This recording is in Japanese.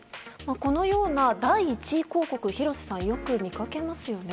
このような第１位広告を廣瀬さん、よく見かけますよね。